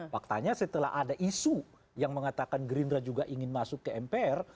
faktanya setelah ada isu yang mengatakan gerindra juga ingin masuk ke mpr